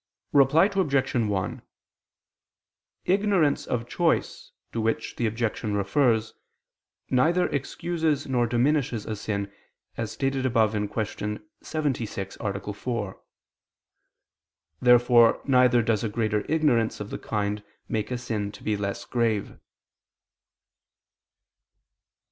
Reply Obj. 1: Ignorance of choice, to which the objection refers, neither excuses nor diminishes a sin, as stated above (Q. 76, A. 4). Therefore neither does a greater ignorance of the kind make a sin to be less grave.